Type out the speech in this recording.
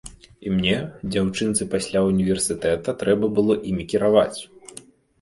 І мне, дзяўчынцы пасля ўніверсітэта, трэба было імі кіраваць.